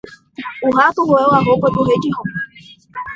O rato roeu a roupa do Rei de roma